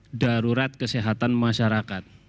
ini darurat kesehatan masyarakat